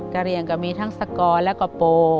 กะเหรียง็มีทั้งสกและกะโป